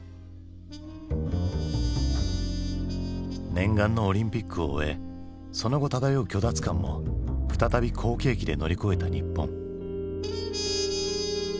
念願のオリンピックを終えその後漂う虚脱感も再び好景気で乗り越えた日本。